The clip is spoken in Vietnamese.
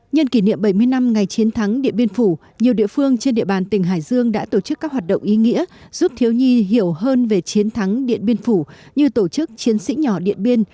nhân kỷ niệm bảy mươi năm ngày chiến thắng điện biên phủ nhiều địa phương trên địa bàn tỉnh hải dương đã tổ chức các hoạt động ý nghĩa giúp thiếu nhi hiểu hơn về chiến thắng điện biên phủ như tổ chức chiến sĩ nhỏ điện biên